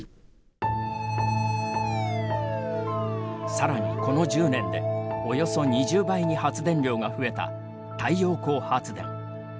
さらに、この１０年でおよそ２０倍に発電量が増えた太陽光発電。